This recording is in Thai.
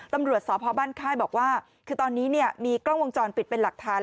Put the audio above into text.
ตำรวจสพบ้านค่ายบอกว่าคือตอนนี้เนี่ยมีกล้องวงจรปิดเป็นหลักฐาน